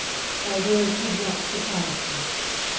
Thy words have not surprised me.